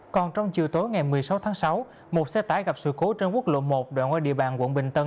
còn trong chiều tối ngày một mươi sáu tháng sáu một xe tải gặp sự cố trên quốc lộ một đoạn qua địa bàn quận bình tân